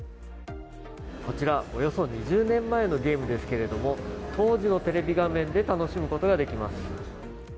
こちら、およそ２０年前のゲームですけれども当時のテレビ画面で楽しむことができます。